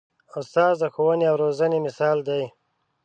استاد د ښوونې او روزنې مثال دی.